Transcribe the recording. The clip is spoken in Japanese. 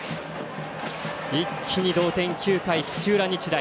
一気に同点９回、土浦日大。